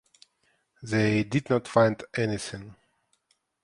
They did not find anything.